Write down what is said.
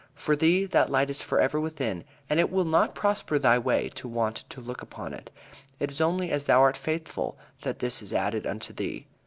For thee that light is forever within, and it will not prosper thy way to want to look upon it. It is only as thou art faithful that this is added unto thee."